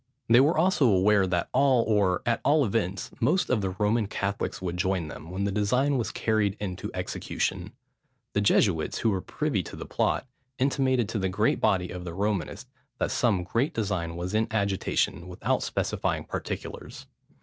They were also aware, that all, or, at all events, most of the Roman Catholics would join them, when the design was carried into execution. The Jesuits, who were privy to the plot, intimated to the great body of the Romanists, that some great design was in agitation, without specifying particulars.